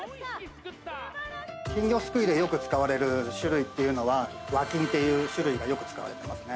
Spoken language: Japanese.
金魚すくいでよく使われる種類っていうのは和金っていう種類がよく使われてますね